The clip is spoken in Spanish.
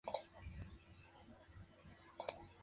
Lo mismo han expresado otros analistas.